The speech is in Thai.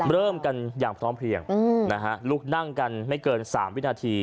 เริ่มกันอย่างพร้อมเพลียงนะฮะลุกนั่งกันไม่เกิน๓วินาที